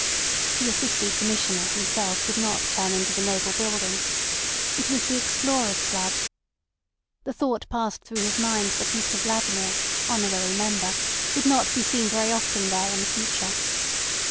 The Assistant Commissioner himself did not turn into the noble building. It was the Explorers' Club. The thought passed through his mind that Mr Vladimir, honorary member, would not be seen very often there in the future.